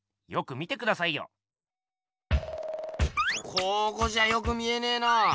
ここじゃよく見えねえな。